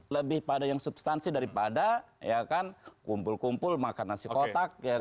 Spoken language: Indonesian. lebih pada yang substansi daripada kumpul kumpul makan nasi kotak